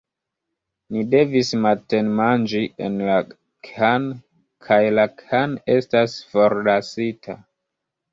Ni devis matenmanĝi en la khan kaj la khan estas forlasita!